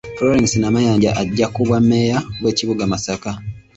Florence Namayanja ajja ku bwammeeya bw'ekibuga Masaka.